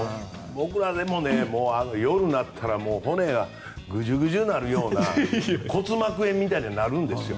僕らでも夜になったら骨がぐじゅぐじゅになるような骨膜炎みたいになるんです。